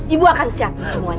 ibu akan siapin semuanya